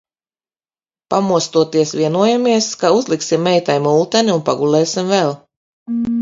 Pamostoties vienojamies, ka uzliksim meitai multeni un pagulēsim vēl.